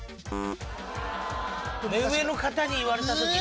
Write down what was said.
目上の方に言われた時に。